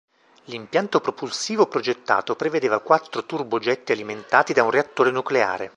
L'impianto propulsivo progettato prevedeva quattro turbogetti alimentati da un reattore nucleare.